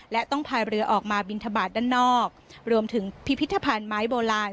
และต้องพายเรือออกมาบินทบาทด้านนอกรวมถึงพิพิธภัณฑ์ไม้โบราณ